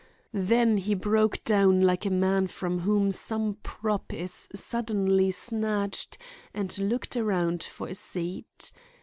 Then he broke down like a man from whom some prop is suddenly snatched and looked around for a seat.